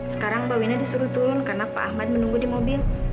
sekarang pak wina disuruh turun karena pak ahmad menunggu di mobil